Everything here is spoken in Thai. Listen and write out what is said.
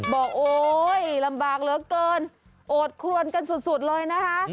บอกโอ้ยยยยยยยยลำบากเหลือเกินโอดควรกันสุดเลยนะคะ